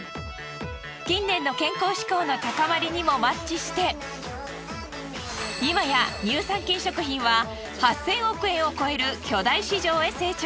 近年の健康志向の高まりにもマッチして今や乳酸菌食品は８，０００億円を超える巨大市場へ成長。